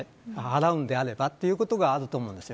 払うのであればということがあると思うんです。